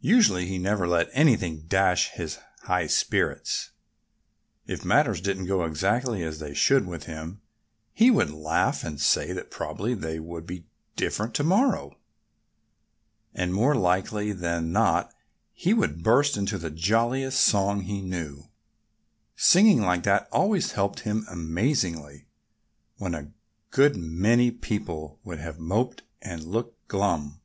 Usually he never let anything dash his high spirits. If matters didn't go exactly as they should with him he would laugh and say that probably they would be different to morrow. And more likely than not he would burst into the jolliest song he knew. Singing like that always helped him amazingly, when a good many people would have moped and looked glum.